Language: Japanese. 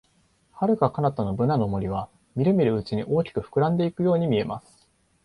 遥か彼方のブナの森は、みるみるうちに大きく膨らんでいくように見えます。